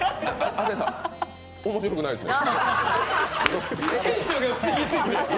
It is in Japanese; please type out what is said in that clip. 亜生さん、面白くないですね